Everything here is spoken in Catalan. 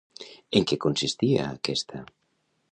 En què consistia aquesta?